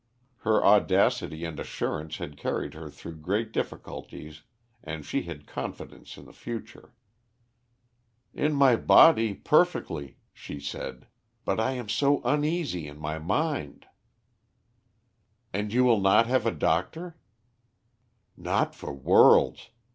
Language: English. Her audacity and assurance had carried her through great difficulties and she had confidence in the future. "In my body, perfectly," she said. "But I am so uneasy in my mind." "And you will not have a doctor?" "Not for worlds.